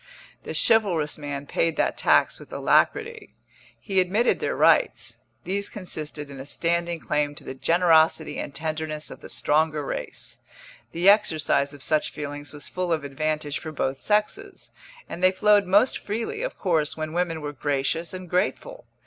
The chivalrous man paid that tax with alacrity. He admitted their rights; these consisted in a standing claim to the generosity and tenderness of the stronger race. The exercise of such feelings was full of advantage for both sexes, and they flowed most freely, of course, when women were gracious and grateful.